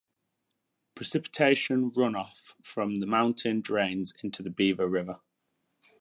Precipitation runoff from the mountain drains into the Beaver River.